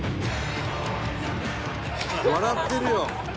「笑ってるよ」